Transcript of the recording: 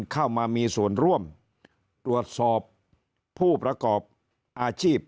เข้ามามีส่วนร่วมตรวจสอบผู้ประกอบอาชีพ